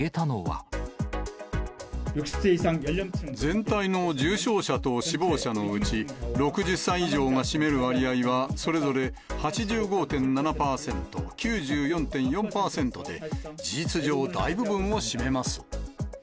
全体の重症者と死亡者のうち、６０歳以上が占める割合はそれぞれ８５．７％、９４．４％で、事実上、大部分を占めます。